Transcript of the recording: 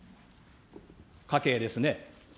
家計ですね。